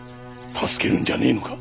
助けるんじゃねえのか？